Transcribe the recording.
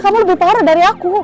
kamu lebih parah dari aku